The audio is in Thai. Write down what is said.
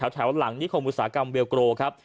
แถวหลังนี้ของบุษากรรมเวลโกโลครับ